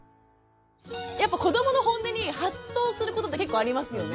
やっぱこどものホンネにハッとすることって結構ありますよね？